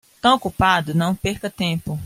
Tão ocupado, não perca tempo.